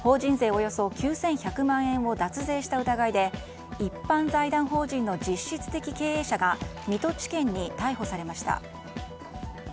およそ９１００万円を脱税した疑いで一般財団法人の実質的経営者が水戸地検に逮捕されました。